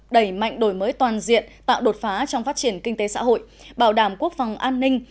đẩy mạnh đổi mới toàn diện tạo đột phá trong phát triển kinh tế xã hội bảo đảm quốc phòng an ninh